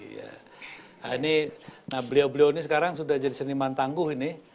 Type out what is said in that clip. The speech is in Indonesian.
nah ini beliau beliau ini sekarang sudah jadi seniman tangguh ini